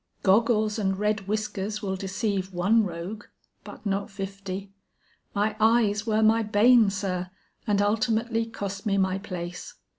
Goggles and red whiskers will deceive one rogue, but not fifty. My eyes were my bane, sir, and ultimately cost me my place.